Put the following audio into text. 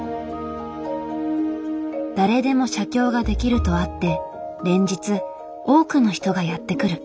誰でも写経ができるとあって連日多くの人がやって来る。